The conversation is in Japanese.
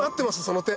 その手。